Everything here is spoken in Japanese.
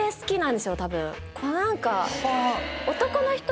何か。